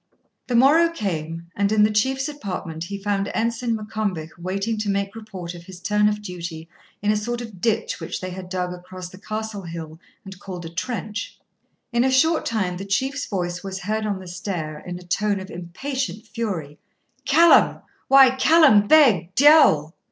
The morrow came, and in the Chief's apartment he found Ensign Maccombich waiting to make report of his turn of duty in a sort of ditch which they had dug across the Castle hill and called a trench. In a short time the Chief's voice was heard on the stair in a tone of impatient fury: 'Callum! why, Callum Beg! Diaoul!'